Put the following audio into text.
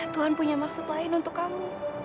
tuhan punya maksud lain untuk kamu